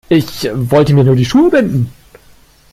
Ich wollte mir nur die Schuhe binden.